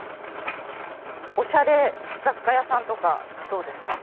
おしゃれ雑貨屋さんとかどうですか？